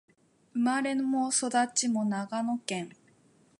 生まれも育ちも長野県